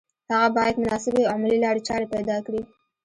هغه بايد مناسبې او عملي لارې چارې پيدا کړي.